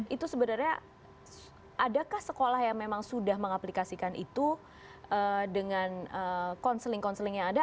itu sebenarnya adakah sekolah yang memang sudah mengaplikasikan itu dengan counseling konseling yang ada